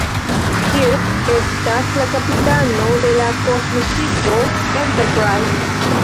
Kirk estas la kapitano de la kosmoŝipo Enterprise.